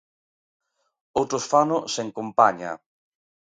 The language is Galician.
Outros fano sen compaña.